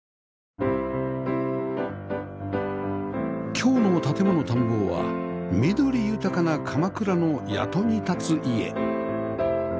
今日の『建もの探訪』は緑豊かな鎌倉の谷戸にたつ家